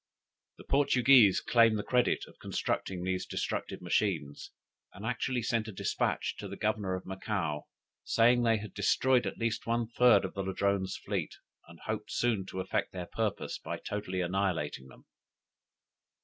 The Portuguese claim the credit of constructing these destructive machines, and actually sent a despatch to the Governor of Macao, saying they had destroyed at least one third of the Ladrone's fleet, and hoped soon to effect their purpose by totally annihilating them!